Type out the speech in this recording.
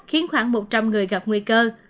khiến khoảng một trăm linh người gặp nguy cơ